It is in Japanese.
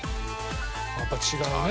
「やっぱ違うね」